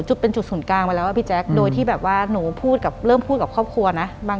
หลังจากนั้นเราไม่ได้คุยกันนะคะเดินเข้าบ้านอืม